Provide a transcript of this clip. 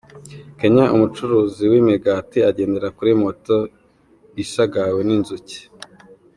Kenya umucuruzi w’imigati agendera kuri moto ishagawe n’inzuki .